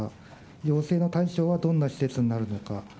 要請の対象はどんな施設になるのか。